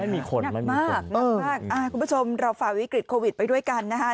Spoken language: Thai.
ไม่มีคนนะครับคุณผู้ชมเราฝ่าวิกฤตโควิดไปด้วยกันนะครับ